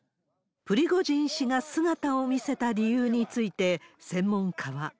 プリゴジン氏が姿を見せた理由について、専門家は。